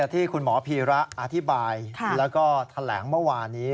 ที่คุณหมอพีระอธิบายแล้วก็แถลงเมื่อวานนี้